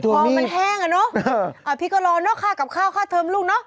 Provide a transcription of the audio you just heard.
ท้องมันแห้งอ่ะเนอะพี่ก็รอเนอะค่ากับข้าวค่าเทิมลูกเนอะ